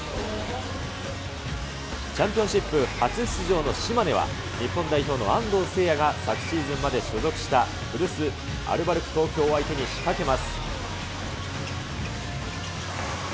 チャンピオンシップ初出場の島根は日本代表の安藤せいやが昨シーズンまで所属した古巣、アルバルク東京を相手に仕掛けます。